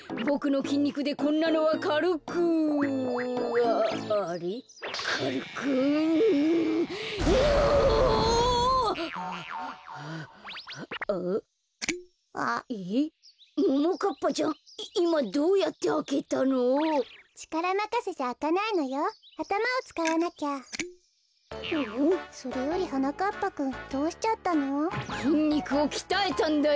きんにくをきたえたんだよ。